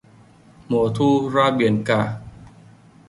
Mùa thu ra biển cả